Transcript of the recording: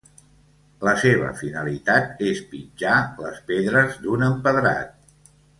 La seva finalitat és pitjar les pedres d’un empedrat.